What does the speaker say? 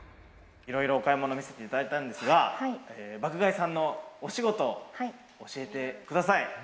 いろいろお買い物見せていただいたんですが、爆買いさんのお仕事を教えてください。